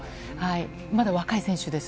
まだ若い選手です。